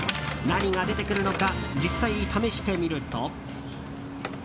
何が出てくるのか実際試してみると。